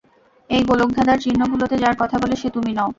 এই গোলকধাঁধাঁর চিহ্নগুলোতে যার কথা বলে, সে তুমি নও?